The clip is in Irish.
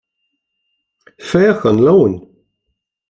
Féach an leon!